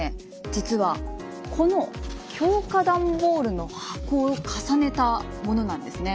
実はこの強化段ボールの箱を重ねたものなんですね。